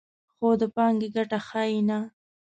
خو د پانګې ګټه ښیي نه